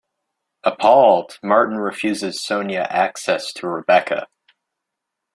Appalled, Martin refuses Sonia access to Rebecca.